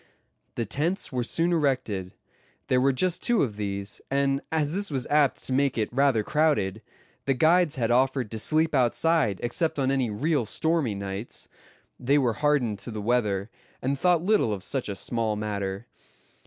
The tents were soon erected. There were just two of these; and as this was apt to make it rather crowded, the guides had offered to sleep outside except on any real stormy nights. They were hardened to the weather, and thought little of such a small matter.